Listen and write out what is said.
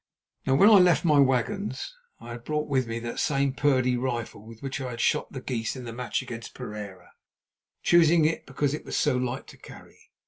Now when I left my wagons I had brought with me that same Purdey rifle with which I had shot the geese in the match against Pereira, choosing it because it was so light to carry.